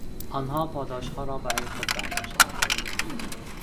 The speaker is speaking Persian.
آنها پاداشها را برای خود برداشتند.